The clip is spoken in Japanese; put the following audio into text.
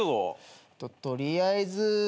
取りあえず。